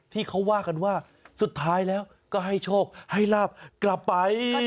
ที่เขาว่ากันว่าสุดท้ายแล้วก็ให้โชคให้ลาบกลับไป